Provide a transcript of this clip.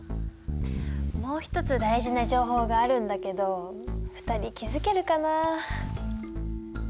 もう一つ大事な情報があるんだけど２人気付けるかな？